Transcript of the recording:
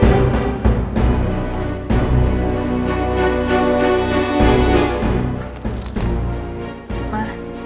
terima kasih bu